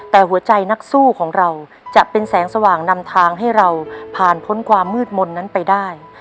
แต่หัวใจนักสู้ของเราจะเป็นแสงสว่างนำทางให้เราผ่านพ้นความมืดมนต์นั้นไปได้